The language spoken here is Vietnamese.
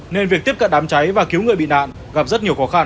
nên việc tiếp cận đám cháy và cứu người bị nạn gặp rất nhiều khó khăn